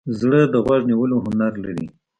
زړه د غوږ نیولو هنر لري.